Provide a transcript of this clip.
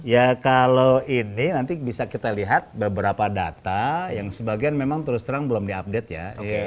ya kalau ini nanti bisa kita lihat beberapa data yang sebagian memang terus terang belum diupdate ya